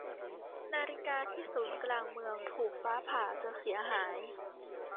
นาฬิกาที่ศูนย์กลางเมืองถูกฟ้าผ่าจนเสียหาย